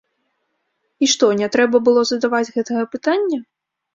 І што, не трэба было задаваць гэтага пытання?